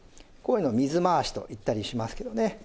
こういうの「水回し」と言ったりしますけどね